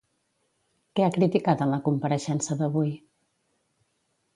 Què ha criticat en la compareixença d'avui?